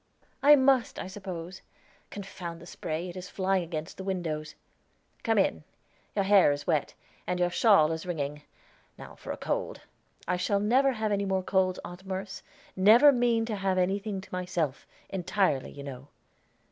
_" "I must, I suppose. Confound the spray; it is flying against the windows." "Come in; your hair is wet, and your shawl is wringing. Now for a cold." "I never shall have any more colds, Aunt Merce; never mean to have anything to myself entirely, you know."